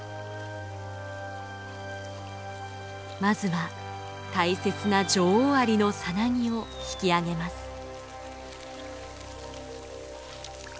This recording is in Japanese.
まずは大切な女王アリのサナギを引き上げます。